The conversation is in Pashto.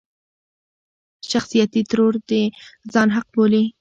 شخصيتي ترور د ځان حق بولي.